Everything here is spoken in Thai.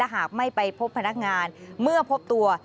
หากไม่ไปพบพนักงานเมื่อพบตัว